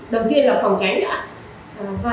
đầu tiên là phòng tránh đã